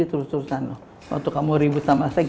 terus terusan loh waktu kamu ribet sama saya